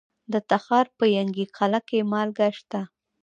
د تخار په ینګي قلعه کې مالګه شته.